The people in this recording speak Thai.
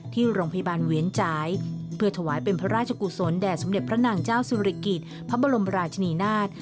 ที่โรงพยาบาลเวียนจ่ายเพื่อถวายเป็นพระราชกุศลแด่สมเด็จพระนางเจ้าสุริกิจพระบรมราชนีนาฏ